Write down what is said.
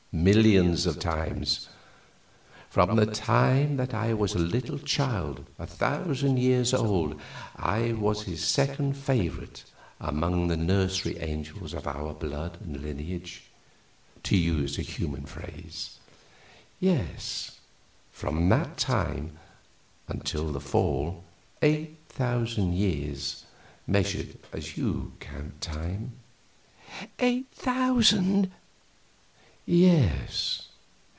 Millions of times. From the time that I was a little child a thousand years old I was his second favorite among the nursery angels of our blood and lineage to use a human phrase yes, from that time until the Fall, eight thousand years, measured as you count time." "Eight thousand!" "Yes."